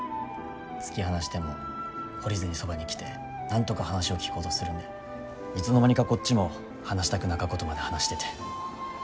突き放しても懲りずにそばに来てなんとか話を聞こうとするんでいつの間にかこっちも話したくなかことまで話してて。